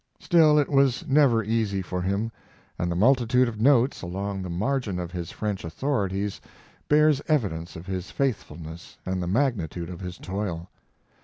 Still, it was never easy for him, and the multitude of notes along the margin of his French authorities bears evidence of his faithfulness and the magnitude of his toil.